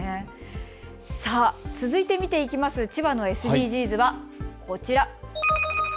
続いて見ていく千葉のＳＤＧｓはこちら。